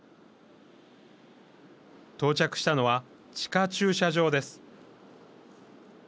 到着したのは、地下駐車場です。